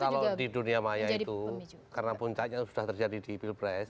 kalau di dunia maya itu karena puncaknya sudah terjadi di pilpres